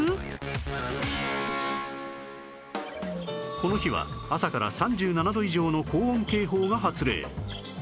この日は朝から３７度以上の高温警報が発令